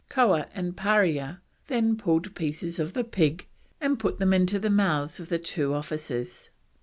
Koah and Parea then pulled pieces of the pig and put them into the mouths of the two officers.